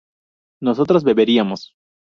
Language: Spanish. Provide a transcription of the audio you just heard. ¿nosotros beberíamos?